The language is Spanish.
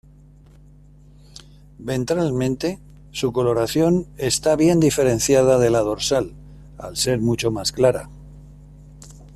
Ventralmente su coloración está bien diferenciada de la dorsal, al ser mucho más clara.